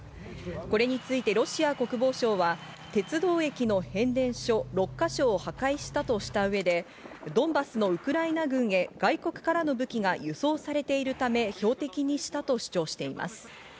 これについてロシア国防省は鉄道駅の変電所６か所を破壊したとした上でドンバスのウクライナ軍へ外国からの武器が輸送されているため標的にしたと主張しています。